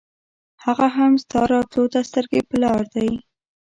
هغه هم ستا راتلو ته سترګې پر لار دی.